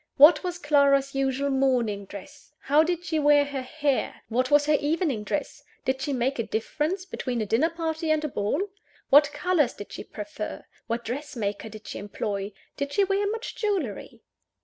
What was Clara's usual morning dress? How did she wear her hair? What was her evening dress? Did she make a difference between a dinner party and a ball? What colours did she prefer? What dressmaker did she employ? Did she wear much jewellery?